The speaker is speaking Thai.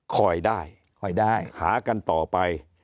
คอยได้หากันต่อไป